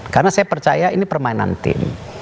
karena saya percaya ini permainan tim